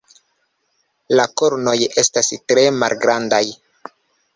La kornoj estas tre malgrandaj.